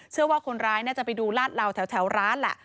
เชื่อว่าคนร้ายน่าจะไปดูลาดเหลาแถวร้านแหละ